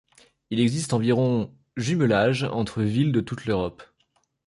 Il existe environ jumelages entre villes de toute l'Europe.